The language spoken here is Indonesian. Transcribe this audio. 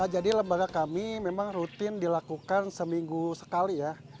jadi lembaga kami memang rutin dilakukan seminggu sekali ya